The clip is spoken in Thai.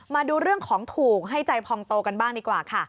มาดูเรื่องของถูกให้ใจพองโตกันบ้างดีกว่าค่ะ